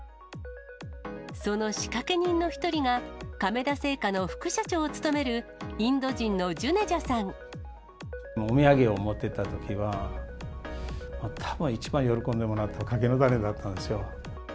その仕掛け人の一人が、亀田製菓の副社長を務める、お土産を持っていったときは、たぶん一番喜んでもらったのが柿の種だったんですよ。